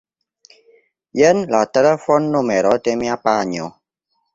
Jen la telefonnumero de mia panjo.